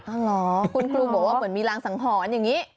เหรอคุณครูบอกว่าเหมือนมีรางสังหรณ์อย่างนี้